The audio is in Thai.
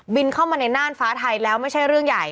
เข้ามาในน่านฟ้าไทยแล้วไม่ใช่เรื่องใหญ่